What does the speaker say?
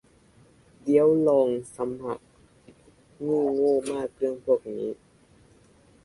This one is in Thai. เดี๋ยวลองสมัคร นี่โง่มากเรื่องพวกนี้